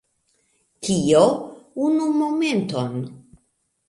Kio? Unu momenton